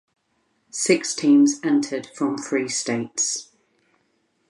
Six teams entered from three states.